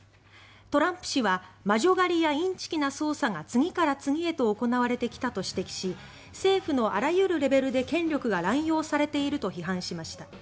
トランプ氏は魔女狩りやインチキな捜査が次から次へと行われてきたと指摘し政府のあらゆるレベルで権力が乱用されていると批判しました。